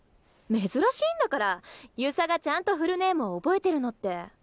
珍しいんだから遊佐がちゃんとフルネームを覚えてるのって。